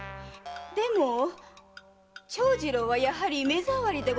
でも長次郎はやはり目障りでございますれば。